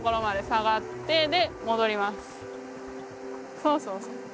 そうそうそう。